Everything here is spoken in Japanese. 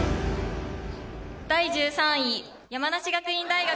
第１３位、山梨学院大学。